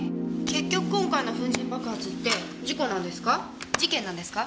結局今回の粉塵爆発って事故なんですか？